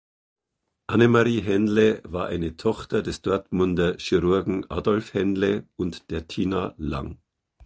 Annemarie Henle war eine Tochter des Dortmunder Chirurgen Adolf Henle und der Tina Lang.